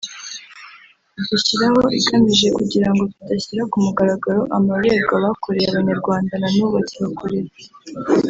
idushyiraho igamije kugirango tudashyira ku mugaragaro amarorerwa bakoreye abanyarwanda na n’ubu bakibakorera